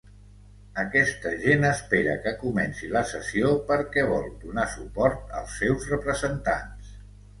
Aquesta gent espera que comenci la sessió perquè vol donar suport als seus representants.